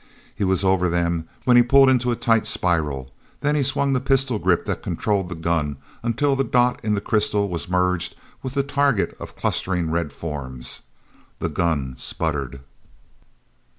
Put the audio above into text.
He was over them when he pulled into a tight spiral, then he swung the pistol grip that controlled the gun until the dot in the crystal was merged with the target of clustering red forms. The gun sputtered.